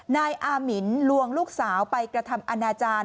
นายอามินลวงลูกสาวไปกระทำอนาจารย์